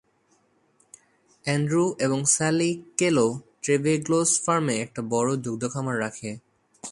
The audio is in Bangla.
অ্যান্ড্রু এবং স্যালি কেলো ট্রেভেগ্লোস ফার্মে একটা বড় দুগ্ধখামার রাখে।